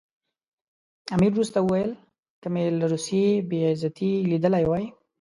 امیر وروسته وویل که مې له روسیې بې عزتي لیدلې وای.